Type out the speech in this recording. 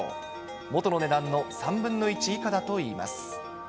元の値段の３分の１以下だといいます。